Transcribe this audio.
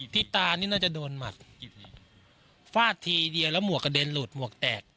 ที่ตานี่น่าจะโดนหมัดฟาดทีเดียวแล้วหมวกกระเด็นหลุดหมวกแตก